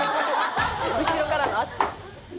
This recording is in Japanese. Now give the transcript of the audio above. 後ろからの圧。